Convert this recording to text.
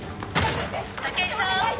武井さん？